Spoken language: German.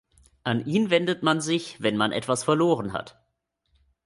An ihn wendet man sich, wenn man etwas verloren hat.